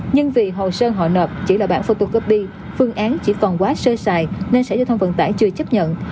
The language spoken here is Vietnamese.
nhưng vì hồ sơn hội nộp chỉ là bản photocopy phương án chỉ còn quá sơ sài nên sở giao thông vận tải chưa chấp nhận